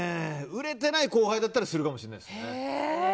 売れてない後輩だったらするかもしれないです。